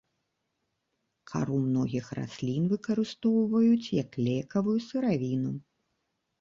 Кару многіх раслін выкарыстоўваюць як лекавую сыравіну.